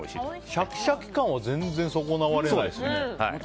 シャキシャキ感は全然損なわれないですね。